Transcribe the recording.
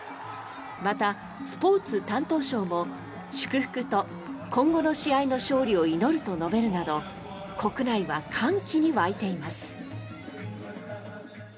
また、スポーツ担当相も祝福と今後の試合の勝利を祈ると述べるなど国内は歓喜に沸いています。